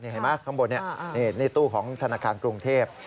เห็นไหมข้างบนนี่ตู้ของธนาคารกรุงเทพ